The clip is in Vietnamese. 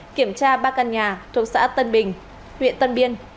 kiểm tra ba căn nhà thuộc xã tân bình huyện tân biên